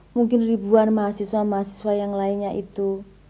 mungkin ribuan mahasiswa mahasiswa yang lainnya itu